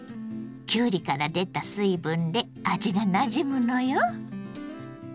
きゅうりから出た水分で味がなじむのよ。